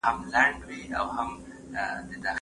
څنګه سوداګریز شرکتونه خالص زعفران هند ته لیږدوي؟